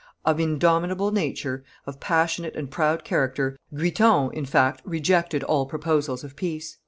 Of indomitable nature, of passionate and proud character, Guiton, in fact, rejected all proposals of peace.